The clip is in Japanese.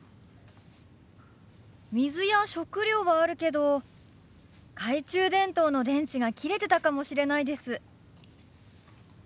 水や食料はあるけど懐中電灯の電池が切れてたかもしれないです。